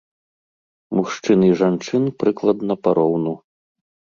Мужчын і жанчын прыкладна пароўну.